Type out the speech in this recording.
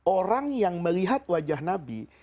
orang yang melihat wajah nabi